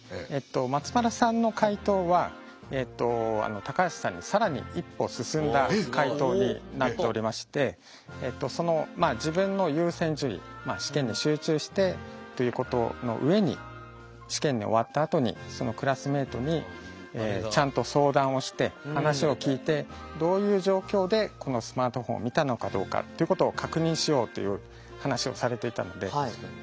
松丸さんの解答は高橋さんに更に一歩進んだ解答になっておりましてまあ自分の優先順位試験に集中してということの上に試験が終わったあとにそのクラスメートにちゃんと相談をして話を聞いてどういう状況でこのスマートフォンを見たのかどうかっていうことを確認しようという話をされていたのでうれしい。